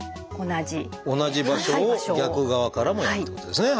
同じ場所を逆側からもやるってことですね。